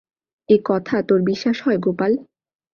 একথা তোর বিশ্বাস হয় গোপাল?